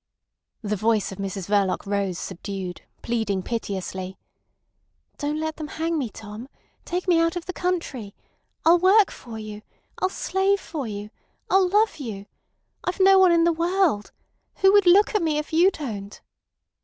The voice of Mrs Verloc rose subdued, pleading piteously: "Don't let them hang me, Tom! Take me out of the country. I'll work for you. I'll slave for you. I'll love you. I've no one in the world. ... Who would look at me if you don't!"